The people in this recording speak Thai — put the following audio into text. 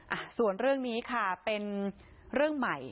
อ่ะส่วนเรื่องนี้ค่ะเป็นเรื่องใหม่